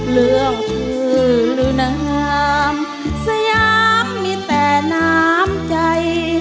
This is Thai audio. เรื่องชื่อหรือนางงามสยามมีแต่น้ำใจ